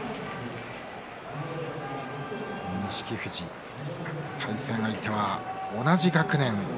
錦富士、対戦相手は同じ学年。